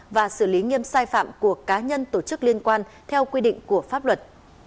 và xử lý nghiêm sai phạm của cá nhân tổ chức liên quan theo quy định của pháp luật